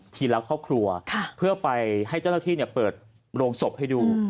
ละครอบครัวเพื่อไปให้เจ้าหน้าที่เปิดโรงศพให้ดู